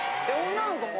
女の子も？